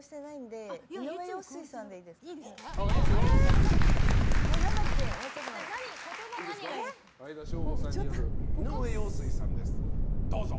相田翔子さんによる井上陽水さんです。